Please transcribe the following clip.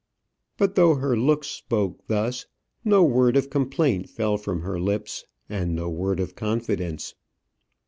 But though her looks spoke thus, no word of complaint fell from her lips and no word of confidence.